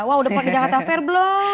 wah udah pakai jakarta fair belum